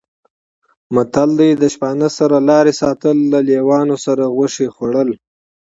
متل دی: د شپانه سره لارې ساتل، له لېوانو سره غوښې خوړل